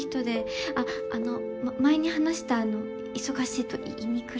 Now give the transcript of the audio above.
あっあの前に話したあの忙しいと胃にくる。